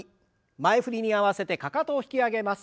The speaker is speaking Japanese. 前振りに合わせてかかとを引き上げます。